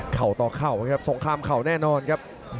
ต่อเข่าครับสงครามเข่าแน่นอนครับ